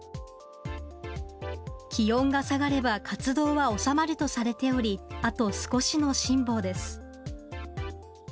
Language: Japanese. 気温が下がれば活動は収まるとされており、あと少しの辛抱です。